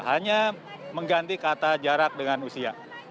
hanya mengganti kata jarak dengan usia